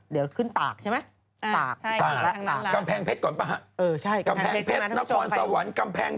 เอ่อถึง